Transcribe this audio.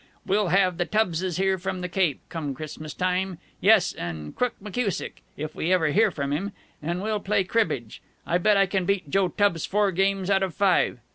We'll have the Tubbses here from the Cape, come Christmas time. Yes, and Crook McKusick, if we ever hear from him! And we'll play cribbage. I bet I can beat Joe Tubbs four games out of five.